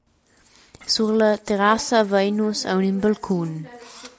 Sur la terrassa havein nus aunc in balcun.